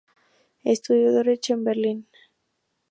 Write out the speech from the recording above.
Estudió derecho en Berlín.